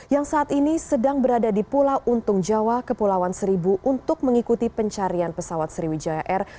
yang saat ini sedang berada di pulau untung jawa kepulauan seribu untuk mengikuti pencarian pesawat sriwijaya air